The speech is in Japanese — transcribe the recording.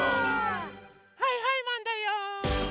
はいはいマンだよ！